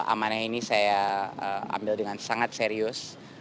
amanah ini saya ambil dengan sangat serius